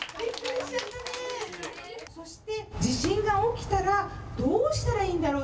地震が起きたらどうしたらいいんだろう。